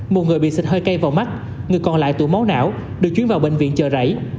một người bị xịt hơi cay vào mắt người còn lại tủ máu não được chuyến vào bệnh viện chở rảy